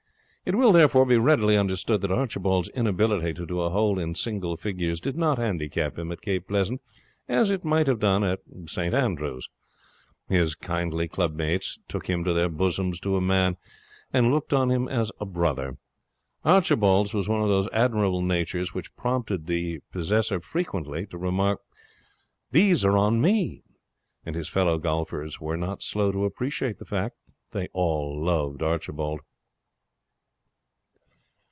It will, therefore, be readily understood that Archibald's inability to do a hole in single figures did not handicap him at Cape Pleasant as it might have done at St. Andrews. His kindly clubmates took him to their bosoms to a man, and looked on him as a brother. Archibald's was one of those admirable natures which prompt their possessor frequently to remark: 'These are on me!' and his fellow golfers were not slow to appreciate the fact. They all loved Archibald.